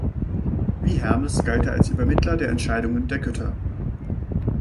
Wie Hermes galt er als Übermittler der Entscheidungen der Götter.